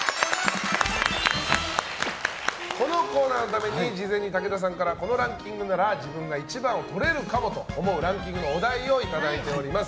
このコーナーのために事前に武田さんからこのランキングなら自分が１番をとれるかもと思うランキングのお題をいただいております。